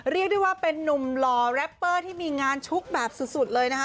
เรียกได้ว่าเป็นนุ่มหล่อแรปเปอร์ที่มีงานชุกแบบสุดเลยนะคะ